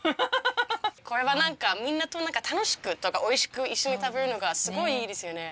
これはなんかみんなとなんか楽しくとかおいしく一緒に食べるのがすごいいいですよね。